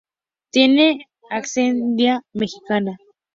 Tiene ascendencia mexicana.